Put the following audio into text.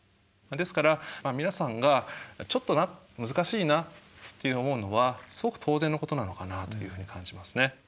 ですから皆さんがちょっとな難しいなって思うのはすごく当然のことなのかなというふうに感じますね。